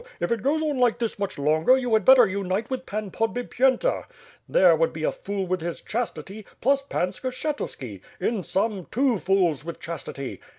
If it goes on like this much longer, you had better unite with Pan Podbipyenta. There would be a fool with his chastity, plus Pan Skshetuski, in sum, two fools with chastity.